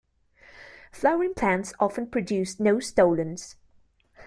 Flowering plants often produce no stolons.